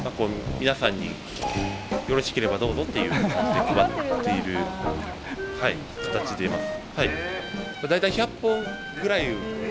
皆さんに「よろしければどうぞ」っていう感じで配っている形でいます。